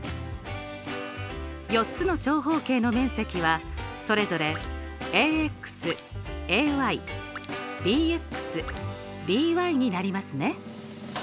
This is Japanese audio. ４つの長方形の面積はそれぞれになりますね。